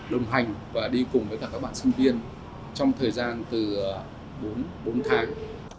đồng hành và đi cùng với các bạn sinh viên trong thời gian từ bốn tháng